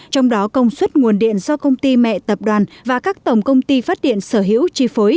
trong đó công suất nguồn điện do công ty mẹ tập đoàn và các tổng công ty phát điện sở hữu chi phối